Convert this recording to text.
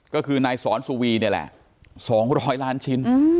ก็คือนายสอนสุวีนี่แหละ๒๐๐ล้านชิ้น